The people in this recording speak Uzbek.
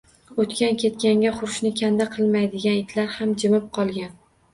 O`tgan-ketganga hurishni kanda qilmaydigan itlar ham jimib qolgan